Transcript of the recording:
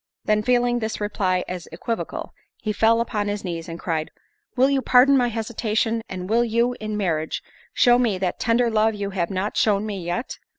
Then feeling this reply as equivocal, he fell upon his knees, and cried, "Will you pardon my hesitation? and will you, in marriage, show me that tender love you have not shown me yet?